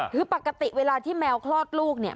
คือปกติเวลาที่แมวคลอดลูกเนี่ย